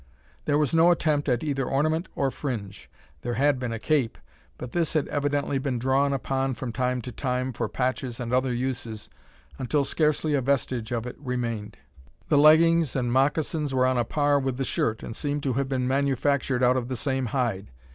There was no attempt at either ornament or fringe. There had been a cape, but this had evidently been drawn upon from time to time, for patches and other uses, until scarcely a vestige of it remained. The leggings and moccasins were on a par with the shirt, and seemed to have been manufactured out of the same hide.